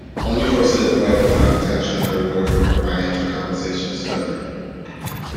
Only first aid provided without intention of reward or financial compensation is covered.